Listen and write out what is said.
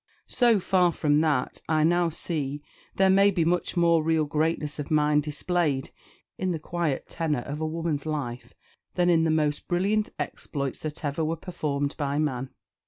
So far from that, I now see there may be much more real greatness of mind displayed in the quiet tenor of a woman's life than in the most brilliant exploits that ever were performed by man.